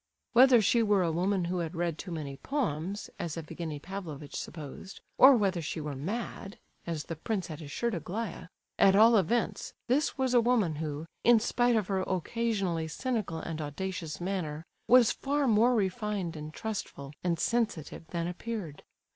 Whether she were a woman who had read too many poems, as Evgenie Pavlovitch supposed, or whether she were mad, as the prince had assured Aglaya, at all events, this was a woman who, in spite of her occasionally cynical and audacious manner, was far more refined and trustful and sensitive than appeared.